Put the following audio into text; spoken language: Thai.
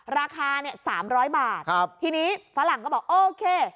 ราคาเนี่ย๓๐๐บาททีนี้ฝรั่งก็บอกโอเค